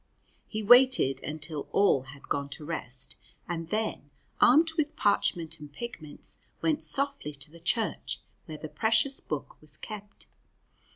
He waited until all had gone to rest, and then, armed with parchment and pigments, went softly to the church, where the precious book was kept.